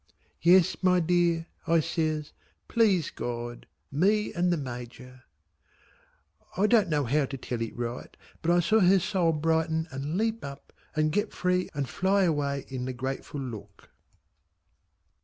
"Yes my dear," I says. "Please God! Me and the Major." I don't know how to tell it right, but I saw her soul brighten and leap up, and get free and fly away in the grateful look.